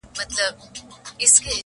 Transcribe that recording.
o ښکاري و ویشتی هغه موږک یارانو,